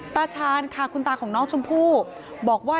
ตาชาญค่ะคุณตาของน้องชมพู่บอกว่า